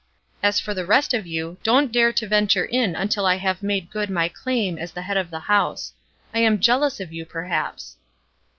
As for the rest of you, don't dare to venture in until I have made good my claim as the head of the house. I am jealous of you, perhaps."